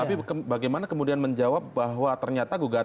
tapi bagaimana kemudian menjawab bahwa ternyata gugatan